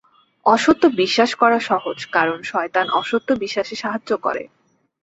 অসত্য বিশ্বাস করা সহজ, কারণ শয়তান অসত্য বিশ্বাসে সাহায্য করে।